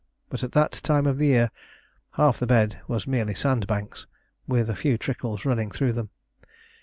But at that time of year half the bed was merely sandbanks, with a few trickles running through them.